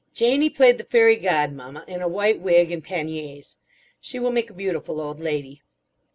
Janie played the Fairy Godmamma in a white wig and panniers. She will make a beautiful old lady.